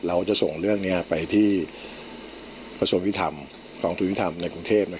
เราจะส่งเรื่องนี้ไปที่ประสงค์วิทยาลักษณ์ของธุรกิจวิทยาลักษณ์ในกรุงเทพฯ